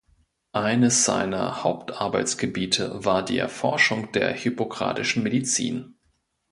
Eines seiner Hauptarbeitsgebiete war die Erforschung der hippokratischen Medizin.